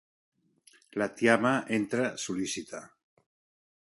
La tiama entra, sol·lícita.